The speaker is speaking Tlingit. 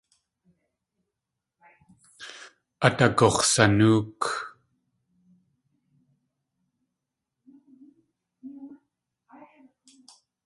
Át agux̲sanóok.